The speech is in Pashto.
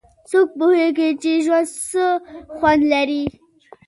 څوک پوهیږي چې ژوند څه خوند لري